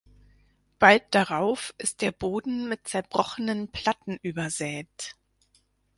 Bald darauf ist der Boden mit zerbrochenen Platten übersät.